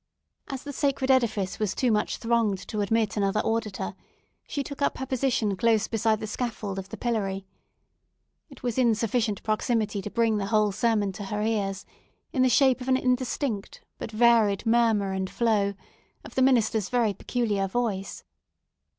As the sacred edifice was too much thronged to admit another auditor, she took up her position close beside the scaffold of the pillory. It was in sufficient proximity to bring the whole sermon to her ears, in the shape of an indistinct but varied murmur and flow of the minister's very peculiar voice.